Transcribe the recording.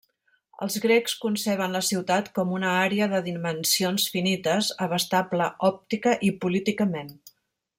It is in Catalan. Els grecs conceben la ciutat com una àrea de dimensions finites, abastable òptica i políticament.